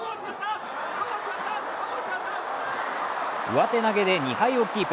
上手投げで２敗をキープ。